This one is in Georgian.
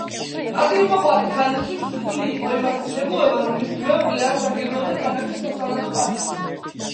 პატივმოყვარე ქალისთვის რთული იყო იმასთან შეგუება რომ მისი მეუღლე არ სარგებლობდა ქალაქში სათანადო პატივით.